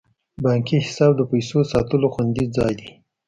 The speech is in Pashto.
بانکي حساب د پیسو ساتلو خوندي ځای دی.